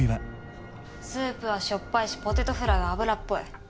スープはしょっぱいしポテトフライは油っぽい。